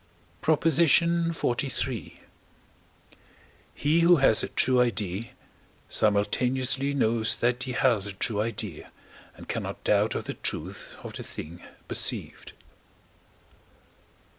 PROP. XLIII. He, who has a true idea, simultaneously knows that he has a true idea, and cannot doubt of the truth of the thing perceived.